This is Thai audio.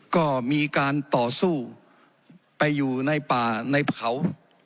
ก็มีการต่อสู้ไปอยู่ในป่าในเขา